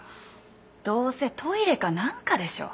どうせトイレか何かでしょ。